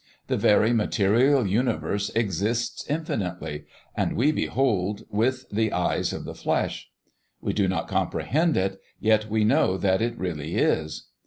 The very material universe exists infinitely, and we behold with the eyes of the flesh. We do not comprehend it, yet we know that it really is.